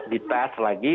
di tes lagi